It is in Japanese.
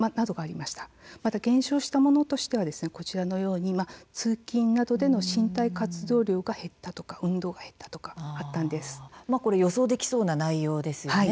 また減少したものはこちらのように通勤などでの身体活動量が減った運動が減った予想できそうな内容ですよね。